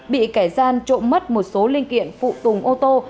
bị kẻ gian trộm mất một số linh kiện phụ tùng ô tô